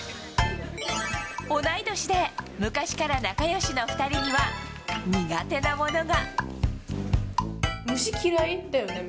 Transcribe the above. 同い年で昔から仲良しの２人には苦手なものが。